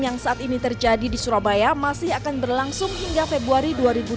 yang saat ini terjadi di surabaya masih akan berlangsung hingga februari dua ribu dua puluh